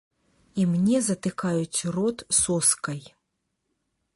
І мне затыкаюць рот соскай.